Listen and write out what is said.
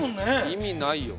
意味ないよ。